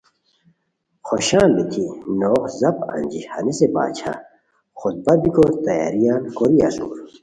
خوشان بیتی نوغ زاپ انجی ہنیسے باچھا خطبہ بیکو تیاریان کوری اسور